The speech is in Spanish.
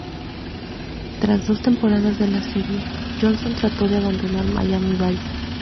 Tras dos temporadas de la serie, Johnson trató de abandonar Miami Vice.